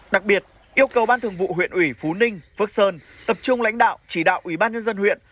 đặc biệt yêu cầu ban thường vụ huyện ủy phú ninh phước sơn tập trung lãnh đạo chỉ đạo ủy ban nhân dân huyện